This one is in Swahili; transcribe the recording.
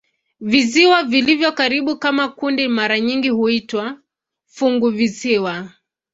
Visiwa vilivyo karibu kama kundi mara nyingi huitwa "funguvisiwa".